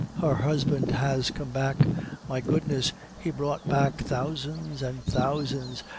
Her husband has come back. My goodness, he brought back thousands and thousands.